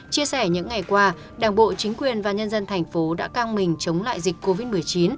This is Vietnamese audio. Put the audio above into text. chia sẻ những ngày qua đảng bộ chính quyền và nhân dân thành phố đã căng mình chống lại dịch covid một mươi chín